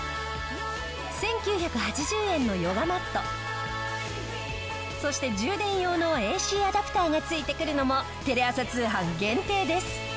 １９８０円のヨガマットそして充電用のＡＣアダプターが付いてくるのもテレ朝通販限定です。